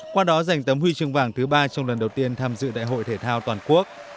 qua đó giành tấm huy chương vàng thứ ba trong lần đầu tiên tham dự đại hội thể thao toàn quốc